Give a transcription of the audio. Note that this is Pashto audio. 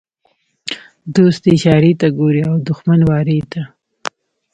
ـ دوست اشارې ته ګوري او دښمن وارې ته.